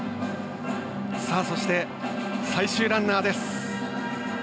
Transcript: そして、最終ランナーです。